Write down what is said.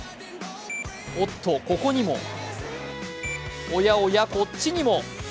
おっと、ここにもおやおや、こっちにも。